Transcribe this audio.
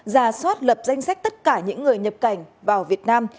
ra soát lập danh sách tất cả những người nhập cảnh vào việt nam